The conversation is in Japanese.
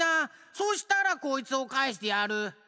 そしたらこいつをかえしてやる！